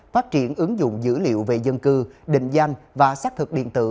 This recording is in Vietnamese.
phát triển ứng dụng dữ liệu về dân cư định danh và xác thực điện tử